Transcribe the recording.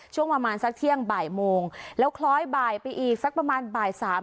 ช่วงประมาณสักเที่ยงบ่ายโมงแล้วคล้อยบ่ายไปอีกสักประมาณบ่ายสาม